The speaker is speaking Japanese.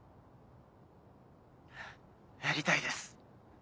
やりたいです。